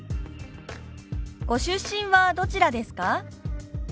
「ご出身はどちらですか？」。